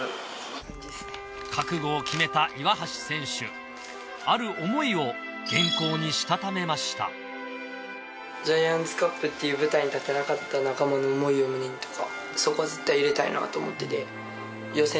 覚悟を決めた岩橋選手ある思いを原稿にしたためましたジャイアンツカップっていう舞台に立てなかった仲間の想いを胸にとか。